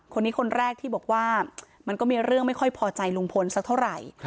คนนี้คนแรกที่บอกว่ามันก็มีเรื่องไม่ค่อยพอใจลุงพลสักเท่าไหร่